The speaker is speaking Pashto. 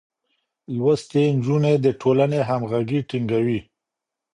لوستې نجونې د ټولنې همغږي ټينګوي.